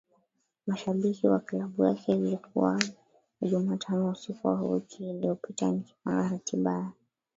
mashabiki wa klabu yake Ilikuwa Jumatano usiku ya wiki iliyopita nikipanga ratiba yangu ya